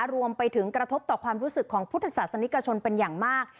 กระทบต่อความรู้สึกของพุทธศาสนิกชนเป็นอย่างมาก